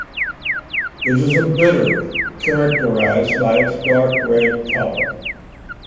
It is a bitter characterised by its dark red colour.